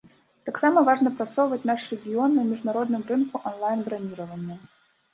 Таксама важна прасоўваць наш рэгіён на міжнародным рынку анлайн-браніравання.